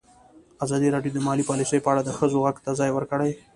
ازادي راډیو د مالي پالیسي په اړه د ښځو غږ ته ځای ورکړی.